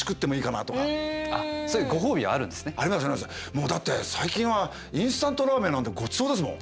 もうだって最近はインスタントラーメンなんてごちそうですもん。